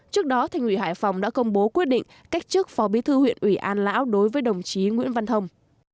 trước đó thành ủy hải phòng đã công bố quyết định cách chức phó bí thư huyện ủy an lão đối với đồng chí nguyễn văn thông